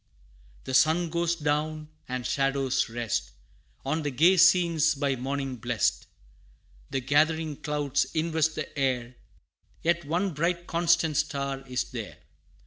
V. The sun goes down, and shadows rest On the gay scenes by morning blest; The gathering clouds invest the air Yet one bright constant Star is there.